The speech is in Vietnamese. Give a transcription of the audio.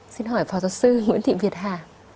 xin hỏi phó giáo sư nguyễn thị việt hà